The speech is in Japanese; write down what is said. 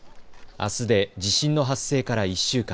あすで地震の発生から１週間。